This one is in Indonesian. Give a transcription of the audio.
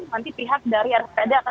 nanti pihak dari rspd akan